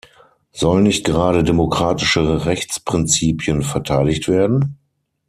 Sollen nicht gerade demokratische Rechtsprinzipien verteidigt werden?